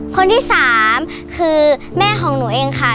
คนที่สามคือแม่ของหนูเองค่ะ